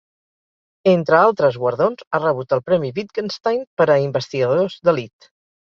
Entre altres guardons, ha rebut el Premi Wittgenstein per a investigadors d’elit.